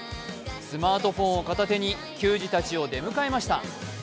スマートフォンを片手に球児たちを出迎えました。